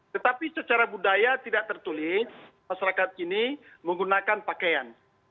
tetapi secara budaya tidak tertulis masyarakat ini menggunakan pakaian